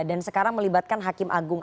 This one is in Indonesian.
dan sekarang melibatkan hakim agung